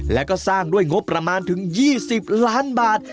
และก็สร้างด้วยงบประมาณถึง๒๐ล้านบาท